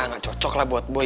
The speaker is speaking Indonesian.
nggak cocok lah buat boy